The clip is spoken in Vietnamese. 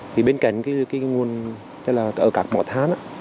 thì bên cạnh cái nguồn ở các mỏ than á